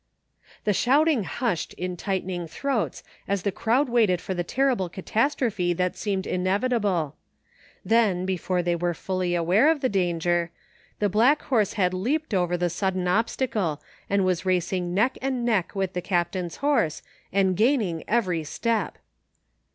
The shouting hushed in tightening throats as the crowd waited for the terrible catastrophe that seemed inevitable. Then, before they were fully aware of the 226 THE FINDING OF JASPER HOLT danger, the blade hor^ had leaped over the sudden obstacle, and was racing neck and neck with the Cap tain's horse and gaining every step.